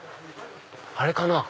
あれかな？